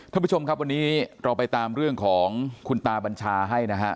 ท่านผู้ชมครับวันนี้เราไปตามเรื่องของคุณตาบัญชาให้นะฮะ